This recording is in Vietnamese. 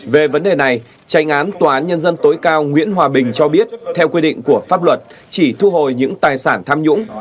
về vấn đề này tranh án tòa án nhân dân tối cao nguyễn hòa bình cho biết theo quy định của pháp luật chỉ thu hồi những tài sản tham nhũng